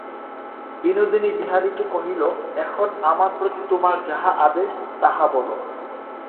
বিনোদিনী বিহারীকে কহিল, এখন আমার প্রতি তোমার যাহা আদেশ, তাহা বলো।